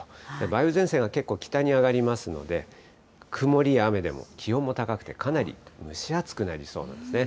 梅雨前線が結構、北に上がりますので、曇りや雨でも気温が高くて、かなり蒸し暑くなりそうなんですね。